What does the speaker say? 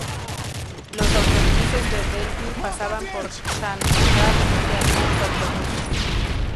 Los autobuses de Delhi pasan por Chandigarh y algunos autobuses.